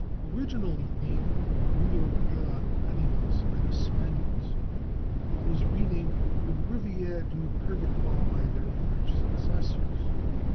Originally named the /Rio de las Animas/ by the Spaniards, it was renamed the /Rivière du Purgatoire/ by their French successors.